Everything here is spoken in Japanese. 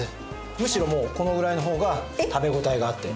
むしろもうこのぐらいの方が食べ応えがあって。